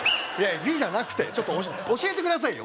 ピッじゃなくてちょっと教えてくださいよ